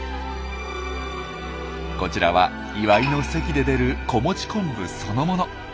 こちらは祝いの席で出る子持ち昆布そのもの。